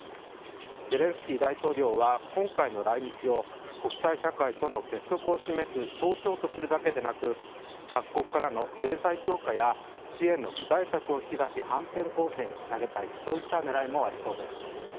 ゼレンスキー大統領は今回の来日を国際社会との結束を示す象徴とするだけでなく各国からの制裁強化や支援の具体策を引き出し反転攻勢につなげたいそういった狙いもありそうです。